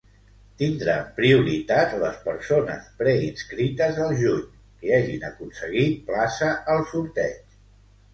Tindran prioritat les persones preinscrites al juny que hagin aconseguit plaça al sorteig.